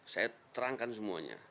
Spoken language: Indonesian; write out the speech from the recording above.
saya terangkan semuanya